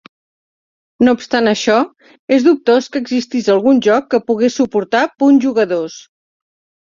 No obstant això, és dubtós que existís algun joc que pogués suportar punts jugadors.